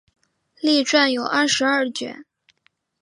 列传有二十二卷。